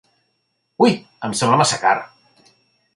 Ui, em sembla massa car.